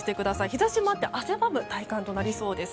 日差しもあって汗ばむ体感となりそうです。